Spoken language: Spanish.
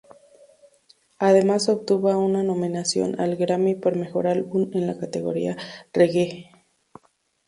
Además obtuvo una nominación al Grammy por mejor Álbum en la categoría Reggae.